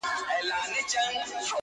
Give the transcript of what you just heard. پيشو پوه سول چي موږك جنگ ته تيار دئ!.